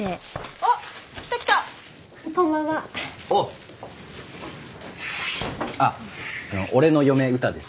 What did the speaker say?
あっ俺の嫁うたです。